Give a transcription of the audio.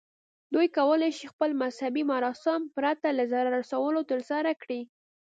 دوی کولی شي خپل مذهبي مراسم پرته له ضرر رسولو ترسره کړي.